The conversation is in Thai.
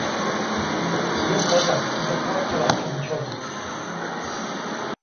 ยกระดับคุณภาพตลาดชุมชน